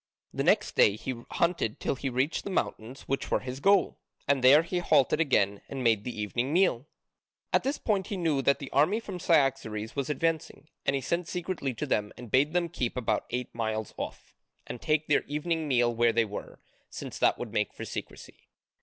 The next day he hunted till he reached the mountains which were his goal. And there he halted again and made the evening meal. At this point he knew that the army from Cyaxares was advancing, and he sent secretly to them and bade them keep about eight miles off, and take their evening meal where they were, since that would make for secrecy.